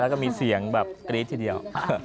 แล้วก็มีเสียงแบบกรี๊ดทีเดียว